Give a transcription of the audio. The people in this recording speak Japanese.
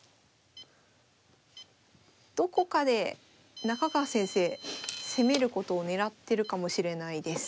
どこかで中川先生攻めることを狙ってるかもしれないです。